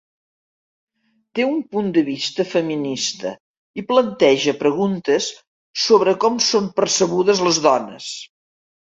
Té un punt de vista feminista i planteja preguntes sobre com són percebudes les dones.